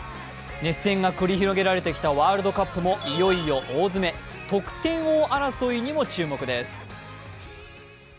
熱戦が繰り広げられてきたワールドカップもいよいよ大詰め、得点王争いにも注目です。